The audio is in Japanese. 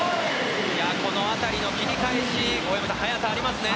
この辺りの切り返し、大山さん速さありますね。